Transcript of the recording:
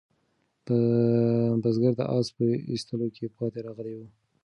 بزګر د آس په ایستلو کې پاتې راغلی و.